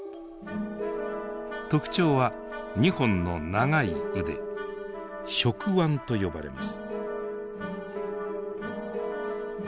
特徴は２本の長い腕触腕と呼ばれます。